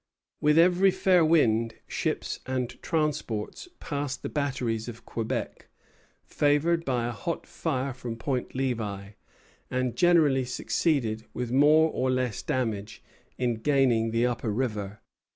With every fair wind, ships and transports passed the batteries of Quebec, favored by a hot fire from Point Levi, and generally succeeded, with more or less damage, in gaining the upper river.